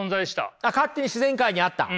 勝手に自然界にあった。